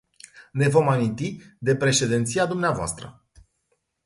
Ne vom aminti de președinția dvs.